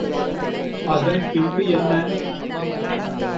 அதன் பின்பு என்ன?